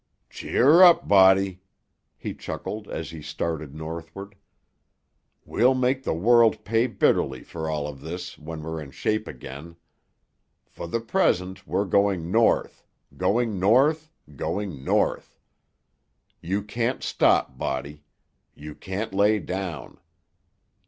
"Cheer up, Body!" he chuckled as he started northward. "We'll make the world pay bitterly for all of this when we're in shape again. For the present we're going north, going north, going north. You can't stop, Body; you can't lay down.